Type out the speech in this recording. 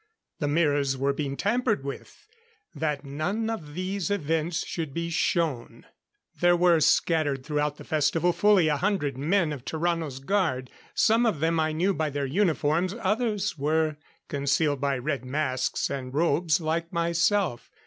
The mirrors were being tampered with, that none of these events should be shown. There were, scattered throughout the festival, fully a hundred men of Tarrano's guard. Some of them I knew by their uniforms; others were concealed by red masks and robes like myself.